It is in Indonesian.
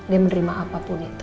dia menerima apapun itu